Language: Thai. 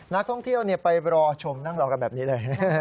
นักท่องเที่ยวไปรอชมนั่งรอกันแบบนี้เลย